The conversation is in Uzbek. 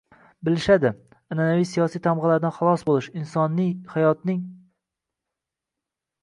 bilishadi. An’anaviy siyosiy tamg‘alardan xalos bo‘lish, insoniy hayotning